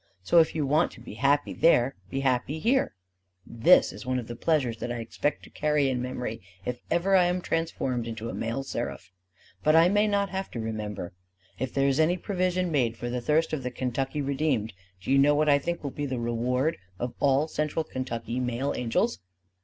so if you want to be happy there, be happy here. This is one of the pleasures that I expect to carry in memory if I am ever transformed into a male seraph. But I may not have to remember. If there is any provision made for the thirst of the Kentucky redeemed, do you know what I think will be the reward of all central Kentucky male angels?